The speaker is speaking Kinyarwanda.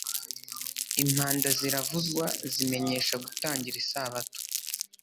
impanda ziravuzwa zimenyesha gutangira isabato.